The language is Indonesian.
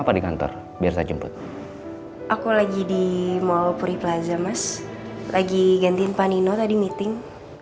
aku di kantor biar saya jemput aku lagi di mall puri plaza mas lagi gantiin panino tadi meeting